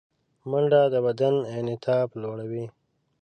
منډه د بدن انعطاف لوړوي